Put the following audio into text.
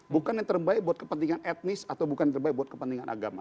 bukan yang terbaik buat kepentingan etnis atau bukan yang terbaik buat kepentingan agama